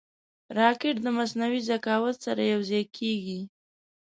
راکټ د مصنوعي ذکاوت سره یوځای کېږي